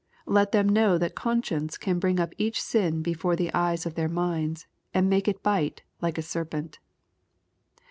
Let them know that conscience can bring up each sin before the eyes of their minds, and make it bite like a serpent.